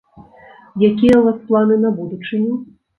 Якія ў вас планы на будучыню?